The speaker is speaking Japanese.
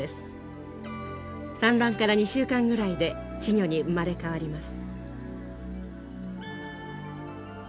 産卵から２週間ぐらいで稚魚に生まれ変わります。